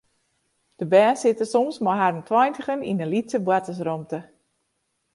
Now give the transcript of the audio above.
De bern sitte soms mei harren tweintigen yn in lytse boartersrûmte.